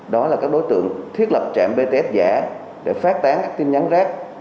đó là các đối tượng thiết lập trạm bts giả để phát tán các tin nhắn rác